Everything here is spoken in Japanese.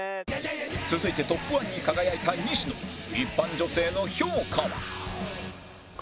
続いてトップ１に輝いた西野一般女性の評価は？